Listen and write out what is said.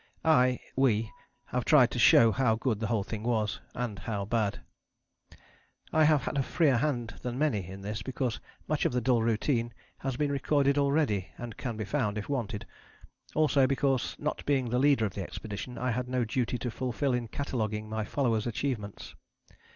I, we, have tried to show how good the whole thing was and how bad. I have had a freer hand than many in this, because much of the dull routine has been recorded already and can be found if wanted: also because, not being the leader of the expedition, I had no duty to fulfil in cataloguing my followers' achievements.